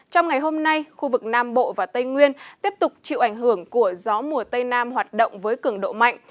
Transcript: trong ngày hôm nay khu vực nam bộ và tây nguyên tiếp tục chịu ảnh hưởng của gió mùa tây nam hoạt động với cường độ mạnh